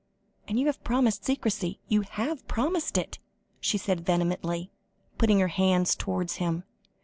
And you have promised secrecy? You have promised it?" she said vehemently, putting out her hands towards him.